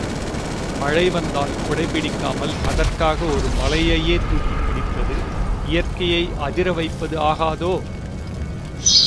மழை வந்தால் குடை பிடிக்காமல் அதற் காக ஒரு மலையையே தூக்கிப் பிடிப்பது இயற்கையை அதிரவைப்பது ஆகாதோ?